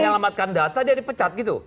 menyelamatkan data dia dipecat gitu